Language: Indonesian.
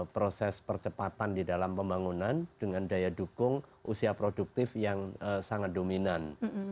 proses percepatan di dalam pembangunan dengan daya dukung usia produktif yang sangat dominan